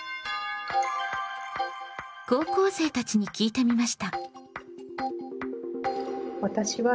高校生たちに聞いてみました。